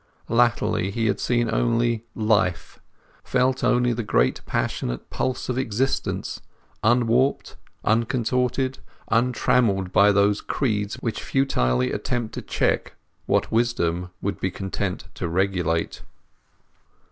Latterly he had seen only Life, felt only the great passionate pulse of existence, unwarped, uncontorted, untrammelled by those creeds which futilely attempt to check what wisdom would be content to regulate.